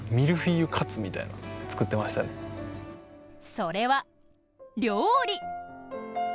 それは料理！